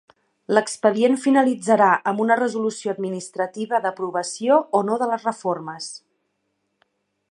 L'expedient finalitzarà amb una resolució administrativa d'aprovació o no de les reformes.